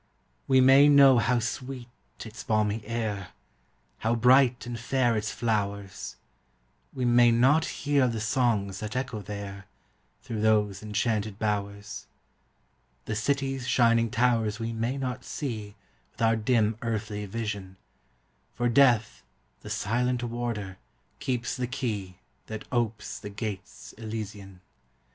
We may know how sweet its balmy air, How bright and fair its flowers; We may not hear the songs that echo there, Through those enchanted bowers. The city's shining towers we may not see With our dim earthly vision, For Death, the silent warder, keeps the key That opes the gates elysian.